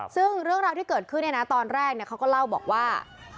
ซึ่งเรื่องราวที่เกิดขึ้นตอนแรกเขาก็เล่าบอกว่า